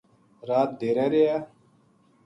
رات ڈیرے رہیا